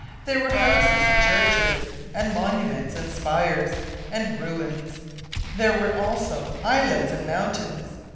There were houses, and churches, and monuments, and spires, and ruins. There were also islands and mountains!